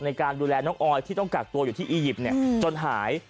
ในการดูแลน้องออยที่ต้องกักตัวอยู่ที่อียิปต์จนหาย